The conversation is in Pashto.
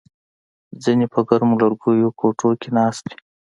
ځینې په ګرمو لرګیو کوټو کې ناست وي